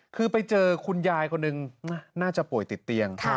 คือไปเจอคุณยายคนหนึ่งน่าจะป่วยติดเตียง